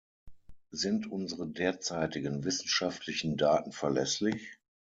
Sind unsere derzeitigen wissenschaftlichen Daten verlässlich?